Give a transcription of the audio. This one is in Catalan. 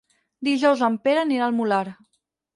Dijous en Pere anirà al Molar.